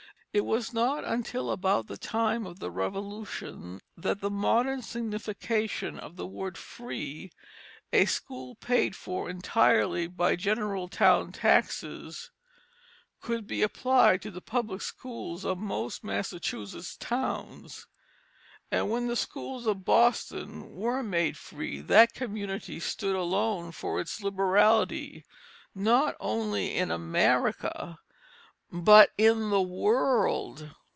It was not until about the time of the Revolution that the modern signification of the word "free" a school paid for entirely by general town taxes could be applied to the public schools of most Massachusetts towns, and when the schools of Boston were made free, that community stood alone for its liberality not only in America, but in the world.